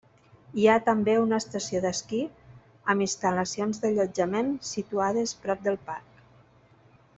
Hi ha també una estació d'esquí amb instal·lacions d'allotjament situades prop del parc.